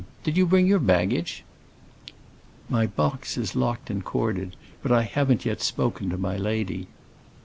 Did you bring your baggage?" "My box is locked and corded; but I haven't yet spoken to my lady."